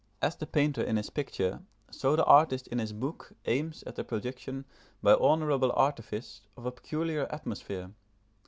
As the painter in his picture, so the artist in his book, aims at the production by honourable artifice of a peculiar atmosphere.